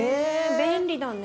便利だね。